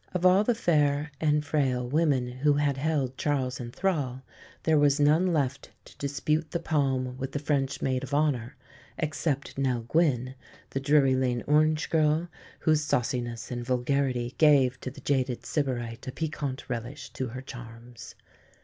Of all the fair and frail women who had held Charles in thrall there was none left to dispute the palm with the French maid of honour except Nell Gwynn, the Drury Lane orange girl, whose sauciness and vulgarity gave to the jaded Sybarite a piquant relish to her charms.